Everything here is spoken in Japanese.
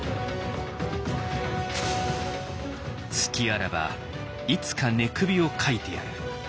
「隙あらばいつか寝首をかいてやる」。